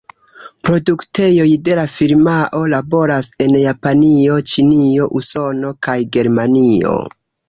Produktejoj de la firmao laboras en Japanio, Ĉinio, Usono kaj Germanio.